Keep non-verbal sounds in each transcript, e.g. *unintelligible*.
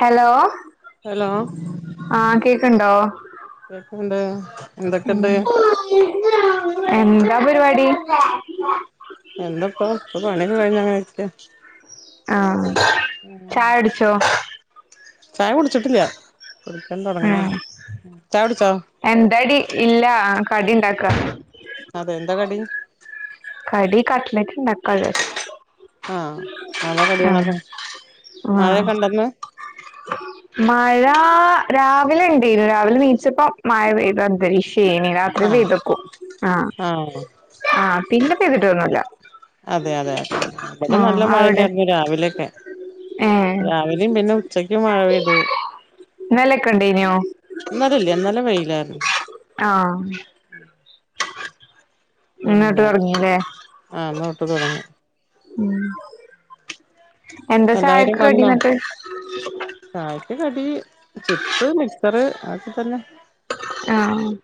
Hello hello ആഹ് കേക്ണ്ടോ? കേക്ക്ണ്ട് എന്തൊക്കെണ്ട്. എന്താ പരിപാടി എന്താപ്പം ഇപ്പ പണിയൊക്കെ കഴിഞ് അങ്ങനെ ഇര്ക്ക ആഹ് ചായ കുടിച്ചോ? ചായ കുടിച്ചിട്ടില്ല കുടിക്കാൻ തൊടങ്ണെ ഉം ഒള്ളൂ ചായ കുടിച്ചോ? എന്താടി ഇല്ല കടി ഉണ്ടാക്ക. അതെ എന്താ കടി? കടി കട്ട്ലറ്റ് ഇണ്ടക്കാ *unintelligible* ചാര്ച്ച് *unintelligible* ആഹ് നല്ല ആഹ് കടിയാണല്ലോ മഴ ക്കെണ്ടന്ന്? *unintelligible* മഴാ രാവിലെ ഇണ്ടേയ്ന്നു. രാവിലെ നീച്ചപ്പം മഴ പെയ്ത അന്തരീഷേനി *unintelligible* രി ആഹ് പെയ്തെക്കും ആഹ് ആഹ് പിന്നെ പെയ്തിട്ടൊന്നുല്ല. അതെ അതെ അതെ ഇവിടെ ആഹ് നല്ല അവിടെ മഴന്നെയായിരുന്നു രാവിലെയൊക്കെ ഏഹ് രാവിൽ ഇ പിന്നെ ഉച്ചയ്ക്കും മാഴപെയ്തു. ഇന്നെലെക്കെ ഇണ്ടേനോ? ഇന്നല ഇല്ല ഇന്നലെ വെയിലായിരുന്നു. ആഹ് ഇന്നട്ട് പിന്നെ തൊടങ്ങീല്ലേ ആന്നോട്ട് തൊടങ്ങി. ഉം എന്താ എല്ലാവരും ചായക്ക് കടി വന്നോ ന്ന്ട്ട് ചായക്ക് കടി ചിപ്സ് മിക്സർ അതൊക്കെ തന്നെ ആഹ് ആഹ്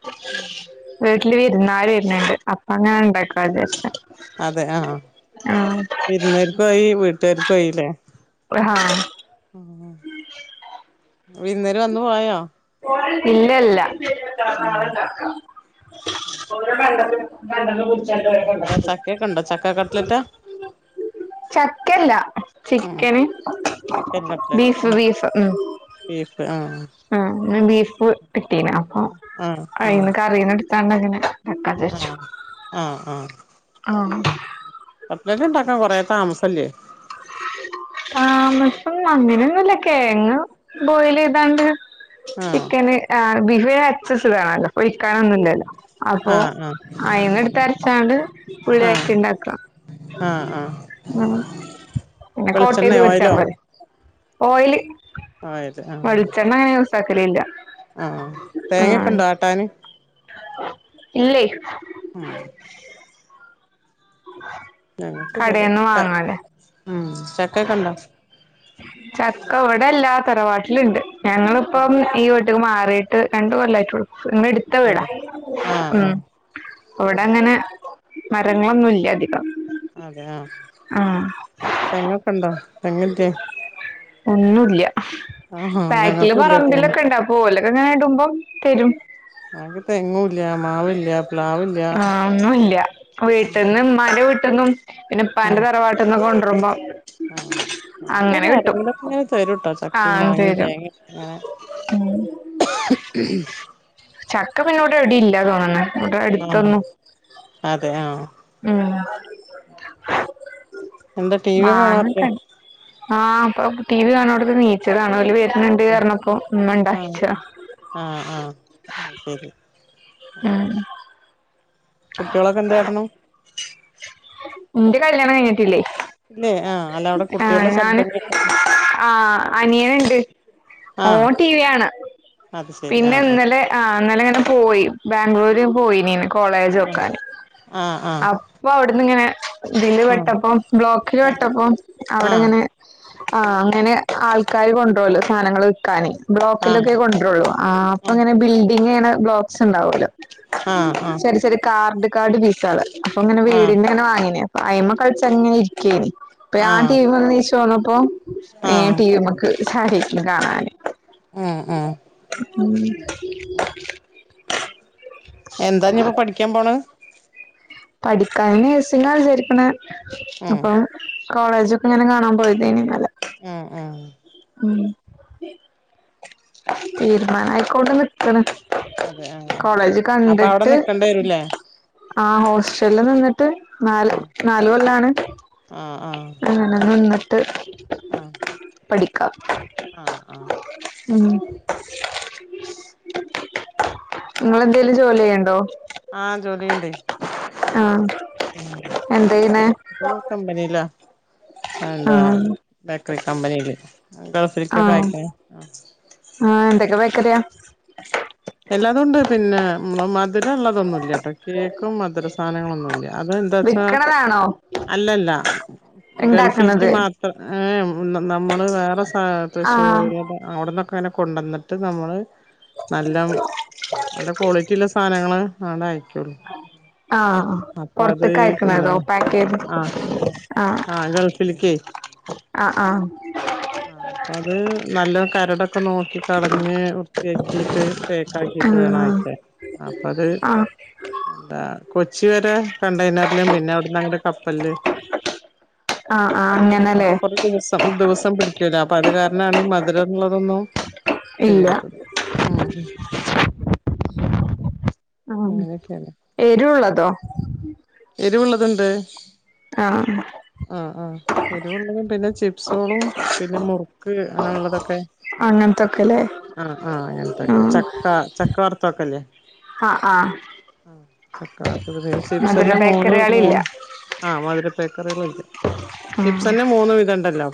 വീട്ടില് വിര്ന്നാര് വെര്ന്നുണ്ട് അപ്പ അങ്ങനെണ്ടാക്കാ വിചരിച്ച് അതെ ആഹ് അഹ് വിരുന്നേര്ക്കു ആയി വീട്ടാർക്കു ആയില്ലേ? പ്രഹാ ഉം വിര്ന്നാര് വന്ന് പോയോ? ഇല്ലല്ല ആഹ് അത് ശരി ഗണ്ടലു എന്താ ചക്കെക്കെണ്ടോ ചക്ക കട്ട്ലെറ്റാ? ചക്കല്ല ആഹ് ചിക്കന് ചിക്കൻ കട്ട്ലറ്റ് ബീഫ് ആഹ് ബീഫ് ഉം ബീഫ് ആഹ് ആ ന്ന് ബീഫ് കിട്ടീന് അപ്പൊ ആഹ് ആഹ് അയ്ന്ന് കറീന്ന് ഇട്ത്താണ്ടങ്ങനെ ആഹ് ആഹ് ആഹ് ആഹ് കട്ലറ്റ് ഇണ്ടാക്കൻ കൊറേ താമസല്ലേ? താമസം അങ്ങനെ ഒന്നുല്ല കെഴങ്ങ് ബോയിലെയ്താണ്ട് ആഹ് ചിക്കന് ആ ബീഫ് അരച്ചെച്ചതാണല്ലോ പൊരിക്കാനൊന്നുംല്ലല്ലോ അപ്പൊ ആഹ് ആഹ് അയിന്ന്ട്ത് അരച്ചാണ്ട് ആഹ് പുള്ളിയാക്കിണ്ടാക്ക ആഹ് ആഹ് പിന്നെ കോട്ടെയത് വെളിച്ചെണ്ണേ വെച്ചാ ഓയിലോ പോരെ ഓയില് ഓയില് ആഹ് വെളിച്ചെണ്ണ ഞാൻ യൂസാക്കലില്ല. ആഹ് തേങ്ങൊക്കെ ഇണ്ടോ ആട്ടാന് ഇല്ലേയ് ആഹ് *unintelligible* ഞങ്ങക്കൂല്ലത് കടേന്ന് ച വാങ്ങാലാ ഉം ചക്കേക്കൊണ്ടോ ചക്ക ഇവിടല്ലാ തറവാട്ടില്ണ്ട് ഞങ്ങളിപ്പം ഈ വീ മാറിയിട്ട് രണ്ട് കൊല്ലായിട്ടൊള്ളു ഇന്ന്ട് ത്ത വീടാ അതെ ആഹ് ഉം ആഹ് ഇവിടങ്ങനെ മരങ്ങളൊന്നുല്യ അധികം അതെയോ തെങ്ങൊക്കെണ്ടോ ഒന്നുല്യ ആഹാ ബാക്കില് ഞങ്ങൾക്കും ഇല്ലാട്ടോ ഒന്നും പറമ്പിലൊക്കെ ഇണ്ടാവും ഓലൊക്കെ ഇങ്ങനെ ഇടുമ്പം തരും അതിപ്പ ആഹ് ഒന്നൂല്യ ഒന്നുല്ല ഉം വീട്ടിന്ന് ഇമ്മാന്റെ വീ ട്ട്ന്നും ഉം പിന്നെപ്പാന്റെ തറവാട്ട്ന്നൊക്ക കൊണ്ടറുമ്പോ ആഹ് നമക്കൊക്കെ ആരെങ്കിലൊക്കെ ഇങ്ങനെ തരുട്ടോ ചക്കേം ആഹ് മാങ്ങേ തരും തേങ്ങേ അങ്ങനെ ഉം *unintelligible* ചക്ക പിന്നെ ഇവിടെ എവിട്യേ ഇല്ലാ തോന്ന്ണ് ആഹ് അതെ ആഹ് ഉം എന്താ ടീവി കാണാറില്ലേ മാങ്ങൊക്കെ ഉണ്ട് ആഹ് ഇപ്പൊ ടി വി കാണോട്ത്ത്ന്ന് നീച്ചതാണ് ഓല് വെ ങ്ങനെണ്ട് അതെ അർഞ്ഞപ്പോ, ഉമ്മ ആഹ് ഉണ്ടാക്കിച്ച. ആഹ് ആഹ് അയ്ശരി ആഹ് കുട്ടികളൊക്കെ എന്ത് കാട്ടണു ഇന്റെ കല്യാണം കഴിഞ്ഞിട്ടില്ലേ ഇല്ലേ ആഹ് അല്ല അവിടെ ആഹ് കുട്ടികളുടെ ഞാന് ശബ്ദം കേട്ട ആഹ് അനിയനിണ്ട് ആഹ് ഓൻ ടീവിയാണ് അത് ശരി പിന്നെ ആഹ് ഇന്നലെ ആഹ് അങ്ങനെ ഇങ്ങനെ പോയി ബാംഗ്ലൂര് പോയിനീ ആഹ് കോളേജോക്കാന് ആഹ് ആഹ് അപ്പ അവിടുന്നിങ്ങനെ ഇതില് ആഹ് വട്ടപ്പോ ബ്ലോക്കിൽ പെട്ടപ്പോ അവിടെ ഇങ്ങനെ ആഹ് ആഹ് അങ്ങനെ ആൾക്കാര് കൊണ്ടുപോല്ലോ സാധനങ്ങള് വിക്കാന് ആഹ് ബ്ലോക്കിലൊക്കെ കൊണ്ടൊരുള്ളു ആഹ് അപ്പൊ ഇങ്ങനെ ബിൽഡിങ്ങെയ്യണ ബ്ലോക്സ് ഉണ്ടാവോല്ലോ ആഹ് ആഹ് പിന്ന ചെറിയ കാർഡ് കാർഡ് പീസളല്ലേ അപ്പൊ ഇങ്ങനെ ആഹ് വീടിന്റെ തന്നെ വാങ്ങീനി അയിമ്മേ കളിച്ചങ്ങനെ ഇരിക്കേനി അപ്പ ആഹ് ടീവിമ്മേന്ന് എണീച്ച് വന്നപ്പോ അയ് ഞാൻ ആഹ് ടിവിമ്മേക്ക് ചാരി ഇരുന്ന് കാണാന് ആഹ് ആഹ് എന്താഞ്ഞിപ്പോ പഠിക്കാൻ പോണെ പഠിക്കാനെഴ്സിങ്ങ വിചാരിക്കണെ ഉം അപ്പൊ കോളേജൊക്കെ ഇങ്ങനെ കാണാൻ പോയതേനി ഇന്നലെ ഉം ഉം ഉം തീരുമാനം ആയിക്കോണ്ട അതെ ആഹ് *unintelligible* കോളേജ് അപ്പൊ അവിടെ കണ്ടിട്ട് നിക്കണ്ടി വരൂലേ ആഹ് ഹോസ്റ്റലിൽ നിന്നിട്ട് നാല് ആഹ് നാല് കൊല്ലാണ് ആഹ് ആഹ് ആഹ് എന്നിട്ട് ആഹ് പഠിക്കാം ആഹ് ആഹ് ഉം ഇങ്ങളെന്തേലും ജോലി ചെയ്ണ്ടോ ആഹ് ജോലി ചെയ്ണ്ടെണ്ട് എന്താ ചെയ്യ്ണെ അഹ് കമ്പനില്ല. ആഹ് എന്താ ബേക്കറി കമ്പനിയില് ഗൾഫിക്കൊക്കെ ആഹ് അയക്ക്ണെ. ആഹ് എന്തൊക്കെ ബേക്കറിയാ എല്ലാതും ഉണ്ട് പിന്നെ നമ്മള് മധുരള്ളതൊന്നുല്ലട്ടോ കേക്കും മധുര സാധനങ്ങളൊന്നും ഇല്ല അത് എന്താ വിൽക്കണതാണോ അല്ലല്ല ഗൾഫിക്ക് ഇണ്ടാക്കണത് മാത്രം. ഏഹ് നമ്മള് വേറെ ആഹ് തൃശൂരിലെ. അവിടന്നൊക്കെങ്ങനെ കൊണ്ടുവന്നിട്ട് നമ്മൾ. നല്ല നല്ല ക്വാളിറ്റി ഉള്ള സാധനങ്ങളെ അങ്ങടയക്കുള്ളൂ. ആഹ് ആഹ് പിന്നെ പൊറത്ത്ക്കയക്ക്ണതോ പാകെയ്ത് ആഹ് ആ ആഹ് ഗഴഫില് കെയ്. ആഹ് ആഹ് ആഹ് അപ്പൊ അത് നല്ല കരടൊക്കെ നോക്കി കളഞ്ഞ് വൃത്തിയാക്കിട്ട്. പേക്കാ ആക്കിട്ട് വേണം ആഹ് അയക്കാൻ അപ്പ അത്. ആഹ് എന്താ കൊച്ചി വരെ കണ്ടെയ്നറിലും പിന്നെ അവിടന്നങ്ങട് കപ്പലില് ആഹ് ആഹ് അങ്ങനല്ലേ അപ്പൊ കൊറേ ദിവസം ദിവസം പിടികൂലേ അപ്പൊ അത് കാരണാണ് ഈ മധുരം എന്നുള്ളതൊന്നും ഇല്ല ചെയ്യാത്തത്. ആഹ് ആഹ് ആഹ് അങ്ങനെയൊക്കെയാണ് എരുള്ളതോ എരിവുള്ളതുണ്ട് ആഹ് ആ ആഹ് ആഹ് എരിവുള്ളതും പിന്നെ ചിപ്സാളും പിന്നെ മുറുക്ക് അങ്ങനെുള്ളതൊക്കെ. അങ്ങനത്തൊക്കെല്ലേ ആഹ് ആഹ് അങ്ങനത്തൊക്കെ ആഹ് ചക്ക ചക്ക വർതൊക്കല്ലേ ആഹ് ആഹ് *unintelligible* ചിപ്സ് മധുര തന്നെ മൂന്ന് ബേക്കറികളില്ല മൂന്ന് ആഹ് മധുര പേക്കറികളില്ല. *unintelligible* ചിപ്സന്നെ മൂന്നും വിധം ഇണ്ടല്ലോ?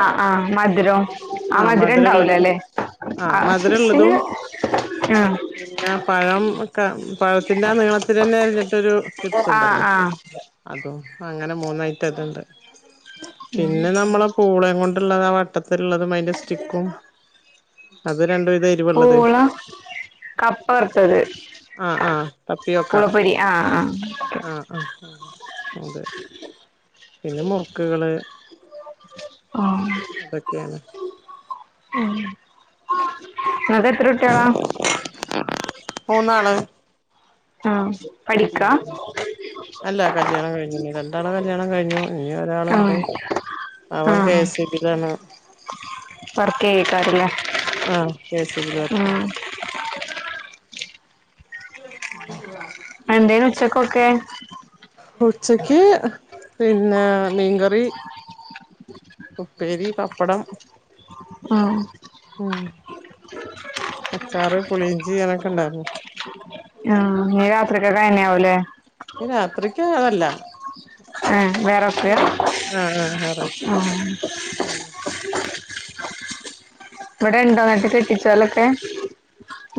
ആ ആ മധുരം ആ ആഹ് മധുരം ഇണ്ടാവു ല മധുരള്ളതും ലേ? ആഹ് മധുരള്ളതും *unintelligible* പിന്നെ പഴം ഒക്കെ പഴത്തിന്റെ ആ നീളത്തിലെന്നെ അരിഞ്ഞിട്ട് ഒരു ചിപ്സ് ആഹ് ഇണ്ടല്ലോ? ആഹ് അതും അങ്ങനെ മൂന്നായി റ്റംതുണ്ട് പിന്നെ നമ്മള പൂളോം കൊണ്ടുള്ളത് ആ വട്ടത്തിലുള്ളതും അതിന്റെ സ്റ്റിക്കും അത് രണ്ട് വിധമായി. പൂളം കപ്പ വറ്ത്തത് ആഹ് ആഹ് പുളപ്പൊരി. ആ ആ ആഹ ആ ആ അതെ. പിന്നെ മുറുക്കുകള്. ആ അതൊക്കെയാണ്. *unintelligible* ഇങ്ങക്ക്എത്ര കുട്ടിയാളാ? മൂന്നാള്. ആഹ പഠിക്കാ? ഉം അല്ല കല്ല്യാണം കഴിഞ്ഞു രണ്ടാളെ കല്യാണം കഴിഞ്ഞു ഇനി ഒരാളുണ്ട്. ആഹ് അവൻ ആഹ് കെസി ബിലാണ്. വർക്കെയ്യേക്കാരല്ലേ ആഹ് കെ സി ബില വർക്ക് ചെയ്യുന്ന. ഉം *inaudible* എന്താന്നു ഉച്ചക്കൊക്കെ? ഉച്ചക്ക് പിന്നെ മീൻകറി. ഉപ്പേരി, പപ്പടം ഉം ഉം അച്ചാറ്, പുളിഞ്ചി, അതൊക്കെണ്ടാരുന്നു. ആഹ് നീ രാത്രിക്കൊക്കെന്നെയാവൂലലേ? ഇഞ്ഞ് രാത്രിക്ക് അതല്ല. ആഹ് വേറൊക്കെ ആഹ് ആഹ് ഞായറാഴ്ച ഉം ഇവെടെണ്ടാ എന്നിട്ട് കെട്ടിച്ചോലെക്കെ?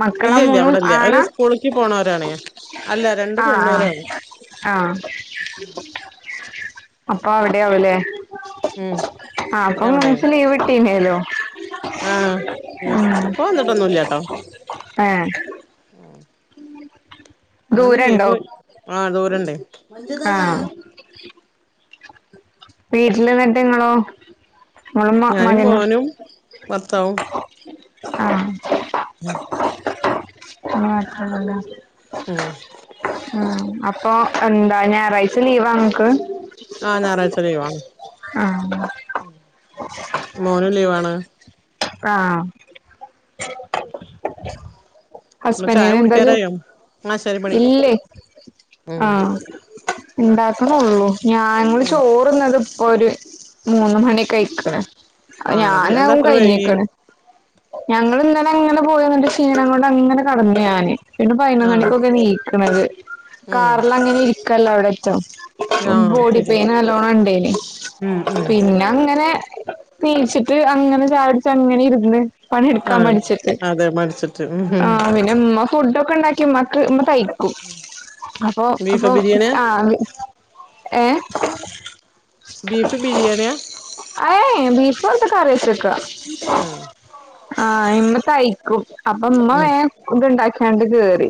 മക്കളെ ഇല്ല ഇല്ല മൂന്നും ഇവിടെല്ല അവര് ആണാ? സ്കൂളിക്ക് പോണവരാണേ അല്ല രണ്ട് ആഹ് പെണ്ണും ആഹ് ഒരാണും ആഹ് അപ്പ അവെടെയാവുലേ. ഉം ആ അപ്പ അവരവിടെയാണ് മൂന്നുദിസം ലീവ് കിട്ടിലേലോ. ആഹ്, യെസ് പപ്പാ വന്നിട്ടൊന്നുല്ലട്ടോ. ഏഹ് അങ്ങനെ ദൂരണ്ടോ ലീവ്. ആ ദൂരെണ്ടേ. ആഹ് വീട്ടിലെന്നിട്ട് നിങ്ങളോ? നിങ്ങളും മ ഞാനും മകനും മോനും ബർത്താവും ആഹ് ഉം അങ്ങെനെയാകളുള്ള ഉം ഉം അപ്പൊ എന്താ ഞായറാഴ്ച ലീവാ നമ്മെക്ക്. ആഹ് ഞായറാഴ്ച ലീവാണ്. ആഹ് ഉം മോനും ലീവാണ്. പ്രാം ഒര് ചായ ഹസ്ബൻഡിന് എന്താ ജോ കുടിക്കാറായോ? ആ ശെരി ബണി. ഇല്ലേ ആഹ് ഉണ്ടാക്കണേള്ളൂ. ഞാ ഞങ്ങെള് ചോറ്. പറുന്നത് ഇപ്പൊ ഒരു മൂന്നു മണി കഴിക്കണേ. ആഹ് അത് എന്താ ഞാനാകും അത്ര വൈകിയെ കഴിഞ്ഞേക്കണ്. ഞങ്ങളിന്നലെങ്ങനെ പോയി വന്നിട്ട് ക്ഷീണം കൊണ്ടങ്ങനെ കടന്നു ഞാന്. പിന്നെ ആഹ് പയ്നൊന്നണിക്കൊക്കെ നീക്ക്ണത്. കാറിലങ്ങനെരിക്കല്ലവടറ്റം. ആഹ് ബോഡി ശരി പെയിന് നല്ലോണം ഇണ്ടേനി.. ഉം ഉം പിന്നങ്ങനെ. നീച്ചിട്ട് അങ്ങനെ ചായട്ങ്ങനെയിരുന്ന്. പണിട്ക്കാൻ ആഹ് മടിച്ചിട്ട്. അതെ മടിച്ചിട്ട് ഉം ആ ഉം പിൻ ഇമ്മ ഫുഡ്ഡ് ഒക്കെ ഉണ്ടാക്കിമ്മാക്ക്, മ്മ തയ്ക്കും. അപ്പൊ ബീഫ് അപ്പൊ ഉക്ക ബിരിയാണിയാ ആഹ് ഏ. ബീഫ് ബിരിയാണ്യാ.? അയേ ബീഫോണ്ട്. കറ്യേച്ചക്ക ആഹ് ആഹ് ഇമ്മ തയ്ക്കും. അപ്പമ്മ ഉം വേം ഫുഡുണ്ടാക്യാണ്ട് കേറി.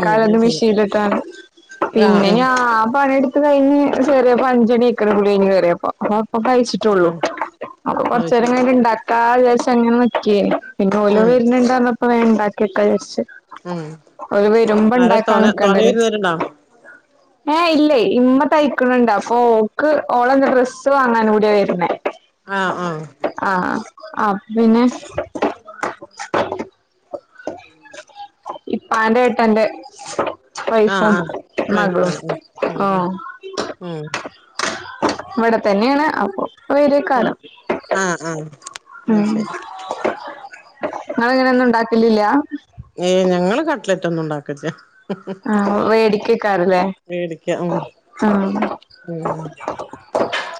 ഉം അത് മിഷീൻല്ട്ടാണ്ട്. ശരി പിന്നെ ആഹ് ഞാ പണിട് ത്ത് കഴിഞ്ഞ് ചേറിയപ്പ അഞ്ചണ്യയ്ക്ക് ണ് കുളി കഴിഞ്ഞ് കേറിയപ്പോ. ആഹ് പ്പ കഴിച്ചി ആഹ് റ്റൊള്ളൂ. ആഹ് അപ്പ അത് കൊർച്ചേരം ശരി കഴിഞ്ഞിട്ട് ഇണ്ടാക്കാ വിചാര്ച്ചങ്ങനെ നി ക്യേനി. പിന്നെ ഓല് ഉം വെര്ന്ണ്ടർഞ്ഞപ്പോ വേണ്ടാക്കിയക്കയാര്ച്ച്. ഉം ഒല് ആരാ വെരുമ്പണ്ടാക്കാൻ തോനെ തോനെ നിക്കണ്ടല്ല വിരുന്നുകാരുണ്ടോ ഏ ഇല്ലേയ്. ഇമ്മ തയ്ക്കണൊണ്ട്. അപ്പോക്ക് ഓള ഡ്രസ്സ് വാങ്ങാനും കൂട്യ വെരുന്നേ. ആഹ് ആഹ് ആഹ് ആഹ് അപ്പപ്പിന്നെ. ഇപ്പാന്റെ ഏട്ടന്റെ. ആഹ് വൈഫും ആഹ് മകളും വൈഫാണ് ഉം ഉം ആഹ് ഉം വടെ തന്നേണ്. അപ്പൊ പ്പൊ ഉം വരോക്കാരം ആഹ് ആഹ് അത് ശരി ങ്ങള് ങ്ങനൊന്നും ണ്ടാക്കില്ലില്യാ ഏയ് ഞങ്ങള് കട്ട്ലറ്റൊന്നും ണ്ടാക്കലില്ല ഹും ഹും ആഹ് വേടിക്കേക്കാരല്ലേ മേടിക്ക ഉം ആഹ് ഉം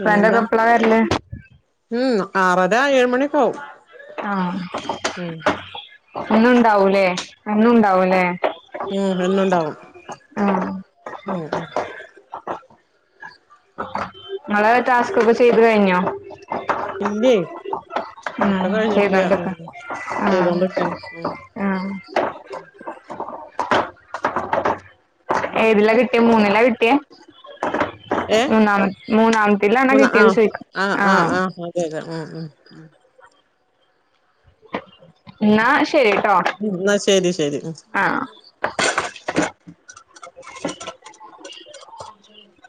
പിന്നെന് ളെപ്പള്ളാ വര്ല് ഉം ആറര ഏയ് മണിയൊക്കാവും ആഹ് ഇന്നുണ്ടാവൂലേ എന്നുണ്ടാവൂലേ ഉം എന്നുംണ്ടാവും ഉം ഉം ങ്ങളെ ടാസ്കൊക്കെ ചെയ്തു കഴിഞ്ഞോ ഇല്ലേയ് ഉം ഒക്കെ കഴിഞ്ഞിട്ടില്ല. ചെയ്തോണ്ട്ക്ക ആഹ് ചെയ്തോണ്ട് ക്കാണ്‌ ആഹ് എന്നാ ഏതിലാ പിന്നെന്താ കിട്ടിയേ മൂന്നിലാ കിട്ടിയേ ഏ മൂന്നാമ മൂന്നാമത്തിലാണോ മുന്ന കിട്ടിയത് ആഹ് ചോയിക്ക ആഹ് ആഹ് ആഹ് അതെ അതെ ഉം ഉം ന്നാ ശരിട്ടോ ന്ന ശരി ശരി ആഹ് *unintelligible*